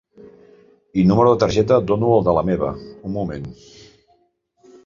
I numero de targeta et dono el de la meva un moment.